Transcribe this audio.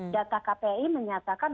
data kpi menyatakan